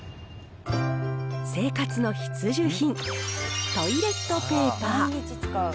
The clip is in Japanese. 生活の必需品、トイレットペーパー。